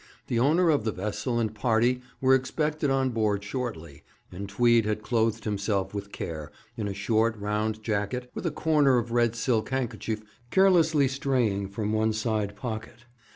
The owner of the vessel and party were expected on board shortly, and Tweed had clothed himself with care, in a short, round jacket, with a corner of red silk handkerchief carelessly straying from one side pocket.